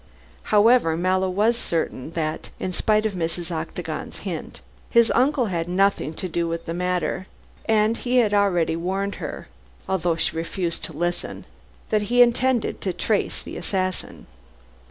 However, Mallow was certain that, in spite of Mrs. Octagon's hint, his uncle had nothing to do with the matter, and he had already warned her although she refused to listen that he intended to trace the assassin.